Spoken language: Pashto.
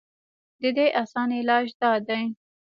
د دې اسان علاج دا دے